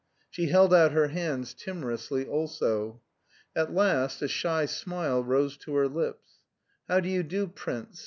She held out her hands timorously also. At last a shy smile rose to her lips. "How do you do, prince?"